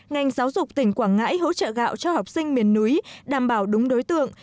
ngành giáo dục tỉnh quảng ngãi hỗ trợ gạo cho học sinh miền núi đảm bảo đúng đối tượng